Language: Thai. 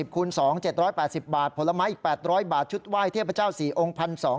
๓๙๐คูณ๒๗๘๐บาทผลไม้๘๐๐บาทชุดไหว้เทียบพระเจ้าศรีองค์พันสอง